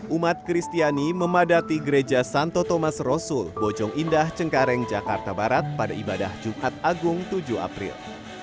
umat kristiani memadati gereja santo thomas rasul bojong indah cengkareng jakarta barat pada ibadah jumat agung tujuh april